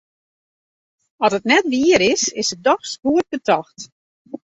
As it net wier is, is it dochs goed betocht.